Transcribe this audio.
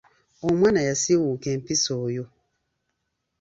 Omwana yasiiwuuka empisa oyo.